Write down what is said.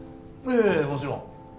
ええもちろん